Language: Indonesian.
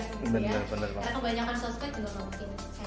karena kebanyakan sosial media juga gak mungkin sehat